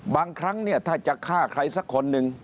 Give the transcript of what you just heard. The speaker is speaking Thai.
บางครั้งเนี่ยถ้าจะฆ่าใครสักคนหนึ่ง